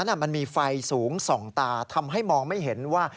มันมีไฟสูงส่องตาทำให้มองไม่เห็นว่า